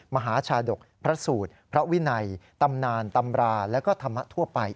มหาชาดกพระสูตรพระวินัยตำนานตำราและก็ธรรมะทั่วไป